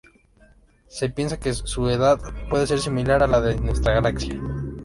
Se piensa que su edad puede ser similar a la de la nuestra galaxia.